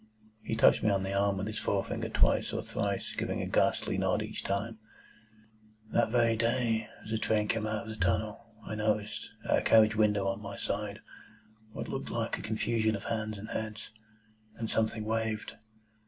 He touched me on the arm with his forefinger twice or thrice giving a ghastly nod each time:— "That very day, as a train came out of the tunnel, I noticed, at a carriage window on my side, what looked like a confusion of hands and heads, and something waved.